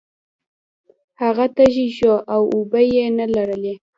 هغه تږی شو او اوبه یې نلرلې.